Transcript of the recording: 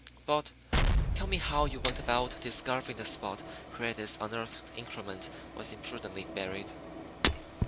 But, tell me how you went about discovering the spot where this unearthed increment was imprudently buried."